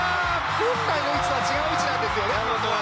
本来の位置とは違う位置なんですよね。